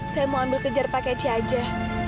saya mau ambil kejar pakai ciajah